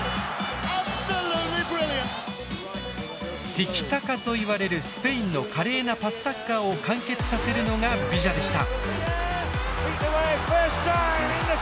「ティキタカ」といわれるスペインの華麗なパスサッカーを完結させるのがビジャでした。